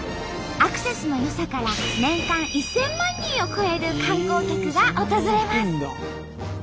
アクセスの良さから年間１，０００万人を超える観光客が訪れます。